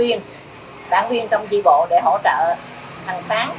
hiện địa phương đang nỗ lực chăm lo cho ba hộ có hoàn cảnh khó khăn còn lại